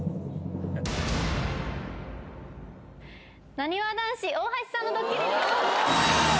なにわ男子・大橋さんのドッキリです。